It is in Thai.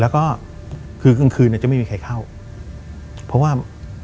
แล้วก็คือกลางคืนเนี่ยจะไม่มีใครเข้าเพราะว่า